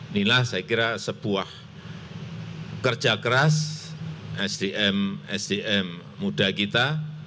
inilah saya kira sebuah kerja keras sdm sdm muda kita